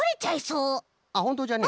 あっほんとじゃね。